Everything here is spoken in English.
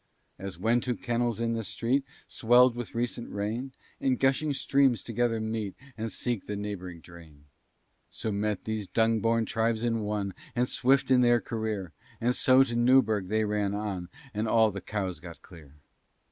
As when two kennels in the street, Swell'd with a recent rain, In gushing streams together meet And seek the neighboring drain; So met these dung born tribes in one, As swift in their career, And so to Newbridge they ran on But all the cows got clear.